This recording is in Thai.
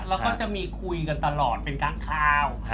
เราก็จะมีคุยกันตลอดเป็นกั้งคราว